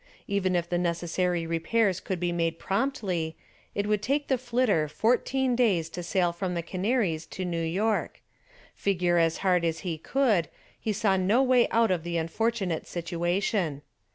Even if the necessary repairs could be made promptly, it would take the "Flitter" fourteen days to sail from the Canaries to New York. Figure as hard as he could he saw no way out of the unfortunate situation.